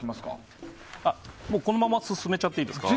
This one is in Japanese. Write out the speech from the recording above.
このまま進めちゃっていいですか。